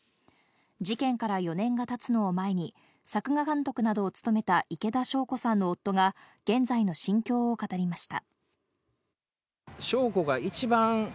事件から４年がたつのを前に作画監督などを務めた池田晶子さんの夫が現在の心境を語りました。